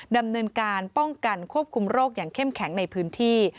ดำเนินการป้องกันควบคุมโรคอย่างเข้มแข็งในพื้นที่